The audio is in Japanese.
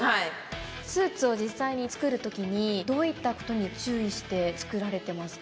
スーツを実際に作るときに、どういったことに注意して作られてますか？